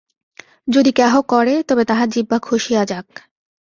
যদি কেহ করে, তবে তাহার জিহ্বা খসিয়া যাক।